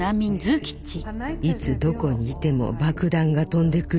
いつどこにいても爆弾が飛んでくるか分からない。